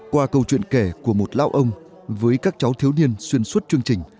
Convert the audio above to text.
qua câu chuyện kể của một lao ông với các cháu thiếu niên xuyên suốt chương trình